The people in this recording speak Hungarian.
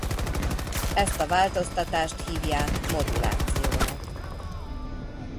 Ezt a változtatást hívják modulációnak.